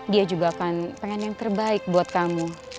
dia juga akan pengen yang terbaik buat kamu